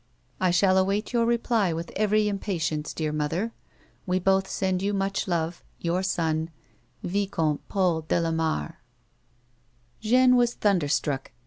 " I shall await your reply with every impatience, dear mother. We both send jon miich love. — Your son, " VicoMTE Paul db Lamare." Jeanne was thunderstruck.